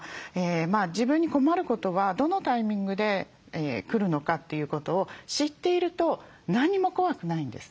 自分に困ることはどのタイミングで来るのかということを知っていると何も怖くないんです。